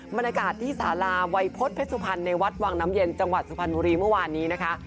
บรรยากาศที่สาราวัยพฤษเพชรสุพรรณในวัดวังน้ำเย็นจังหวัดสุพรรณบุรีเมื่อวานนี้นะคะ